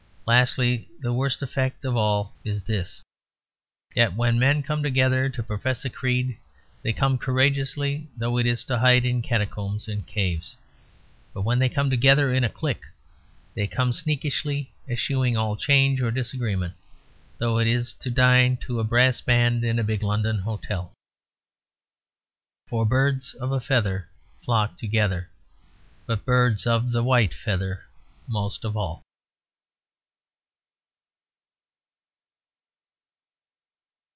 Lastly, the worst effect of all is this: that when men come together to profess a creed, they come courageously, though it is to hide in catacombs and caves. But when they come together in a clique they come sneakishly, eschewing all change or disagreement, though it is to dine to a brass band in a big London hotel. For birds of a feather flock together, but birds of the white feather most of all.